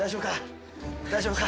大丈夫か？